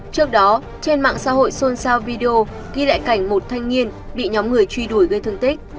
trước đó trên mạng xã hội xôn xao video ghi lại cảnh một thanh niên bị nhóm người truy đuổi gây thương tích